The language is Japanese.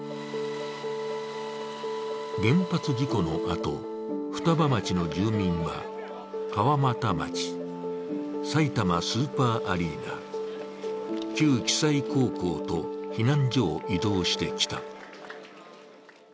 原発事故のあと、双葉町の住民は川俣町、さいたまスーパーアリーナ、旧騎西高校と避難所を移動してきた。